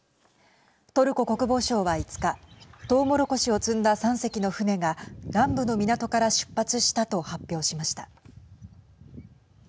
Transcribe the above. トルコ国防省は５日トウモロコシを積んだ３隻の船が南部の港から出発したと発表しました。